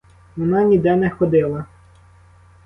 Вона ніде не ходила.